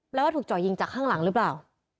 ว่าถูกเจาะยิงจากข้างหลังหรือเปล่า